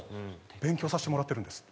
勉強させてもらってるんです」。